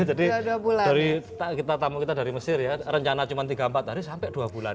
jadi tamu kita dari mesir ya rencana cuma tiga empat hari sampai dua bulan